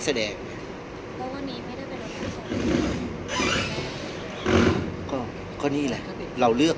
พี่อัดมาสองวันไม่มีใครรู้หรอก